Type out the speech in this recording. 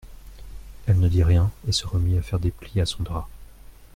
Elle ne dit rien et se remit à faire des plis à son drap.